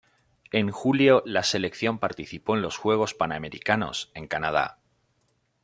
En julio, la selección participó en los Juegos Panamericanos en Canadá.